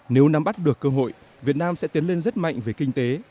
nếu nắm bắt được cơ hội việt nam sẽ tiến lên rất mạnh về kinh tế